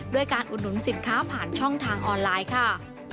ด้วยการอุดหนุนสินค้าผ่านช่องทางออนไลน์ค่ะ